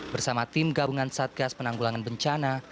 bersama tim gabungan satgas penanggulangan bencana